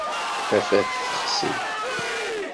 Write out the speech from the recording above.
Tafat texsi.